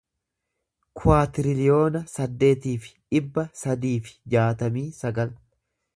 kuwaatiriliyoona saddeetii fi dhibba sadii fi jaatamii sagal